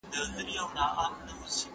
سياستوال بايد پوه سي چي ولې سياسي واک ګټي.